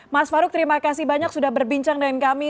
mas farouk terima kasih banyak sudah berbincang dengan kami